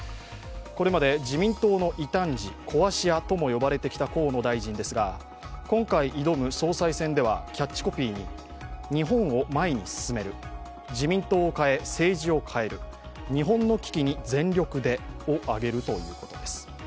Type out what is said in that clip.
これまで自民党の異端児、壊し屋とも呼ばれてきた河野大臣ですが今回挑む総裁選ではキャッチコピーに「日本を前に進める」、「自民党を変え、政治を変える日本の危機に全力で」を挙げるということです。